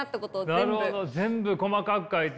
なるほど全部細かく書いて。